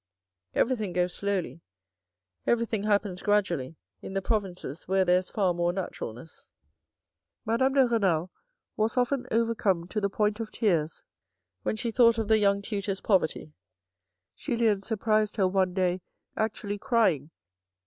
Everything goes slowly, everything happens gradually, in the provinces where there is far more naturalness. Madame de Renal was often overcome to the point of tears when she thought of the young tutor's poverty. Julien surprised her one day actually crying.